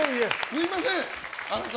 すみません。